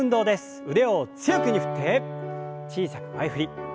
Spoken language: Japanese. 腕を強く振って小さく前振り。